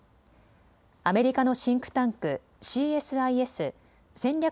アメリカのシンクタンクＣＳＩＳ・戦略